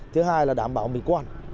thứ hai là đảm bảo mỉ quản